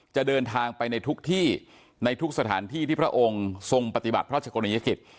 จะเดินทางไปในทุกที่ในทุกสถานที่ที่พระองค์ทรงปฏิบัติพระราชกรณียกิจ